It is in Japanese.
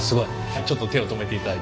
ちょっと手を止めていただいて。